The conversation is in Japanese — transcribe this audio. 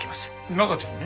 中ちゃんに？